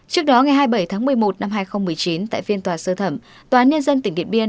trước đó ngày hai mươi bảy tháng một mươi một năm hai nghìn một mươi chín tại phiên tòa xử thẩm tòa niên dân tỉnh điện biên